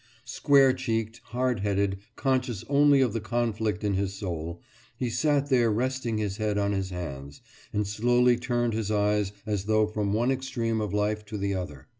Square cheeked, hard headed, conscious only of the conflict in his soul, he sat there resting his head on his hands and slowly turning his eyes as though from one extreme of life to the other.